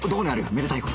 めでたい事